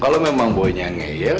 kalau memang boynya ngeyel